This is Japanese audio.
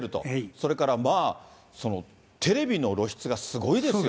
それからテレビの露出がすごいですよ。